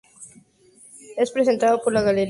Es representada por la Galería Revolver, Lima.